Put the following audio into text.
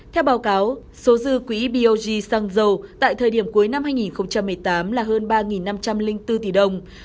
theo báo cáo số dư quỹ bog sang dầu tại thời điểm cuối năm hai nghìn một mươi tám là hơn ba năm trăm linh bốn tỷ đồng